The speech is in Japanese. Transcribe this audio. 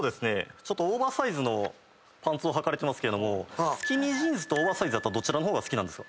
ちょっとオーバーサイズのパンツをはかれてますけどもスキニージーンズとオーバーサイズだったらどちらの方が好きなんですか？